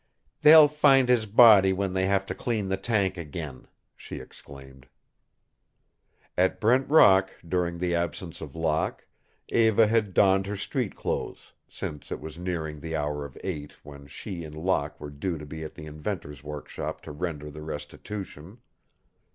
"They'll find his body when they have to clean the tank again," she exclaimed. At Brent Rock, during the absence of Locke, Eva had donned her street clothes, since it was nearing the hour of eight when she and Locke were due to be at the inventor's workshop to render the restitution.